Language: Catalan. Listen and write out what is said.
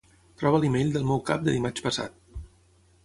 Troba l'email del meu cap de dimarts passat.